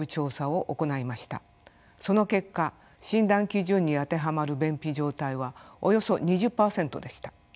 その結果診断基準に当てはまる便秘状態はおよそ２０％でした。